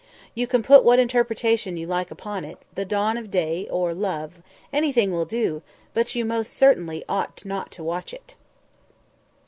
You can put what interpretation you like upon it: the dawn of day, or love, anything will do, but you most certainly ought not to watch it.